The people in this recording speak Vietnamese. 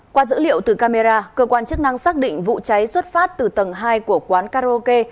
qua dữ liệu từ camera cơ quan chức năng xác định vụ cháy xuất phát từ tầng hai của quán karaoke